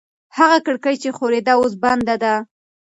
هغه کړکۍ چې ښورېده اوس بنده ده.